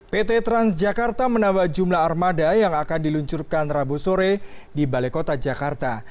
pt transjakarta menambah jumlah armada yang akan diluncurkan rabu sore di balai kota jakarta